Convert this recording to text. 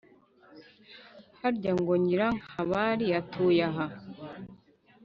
Harya ngo nyirankabari atuye aha